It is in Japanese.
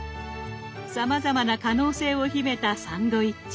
さまざまな可能性を秘めたサンドイッチ。